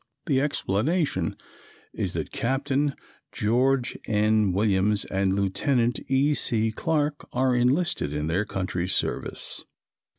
The explanation is that Captain George N. Williams and Lieutenant E. C. Clarke are enlisted in their country's service.